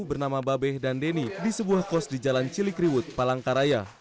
bernama babeh dan deni di sebuah kos di jalan cilikriwut palangkaraya